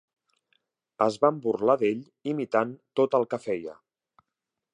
Es van burlar d'ell imitant tot el que feia.